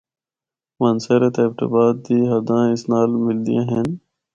مانسہرہ تے ایبٹ آباد دی حداں اس نال ملدیاں ہن۔